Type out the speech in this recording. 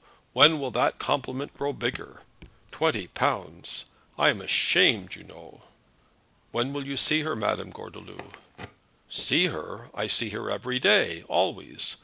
When will that compliment grow bigger? Twenty pounds! I am ashamed, you know." "When will you see her, Madame Gordeloup?" "See her! I see her every day, always.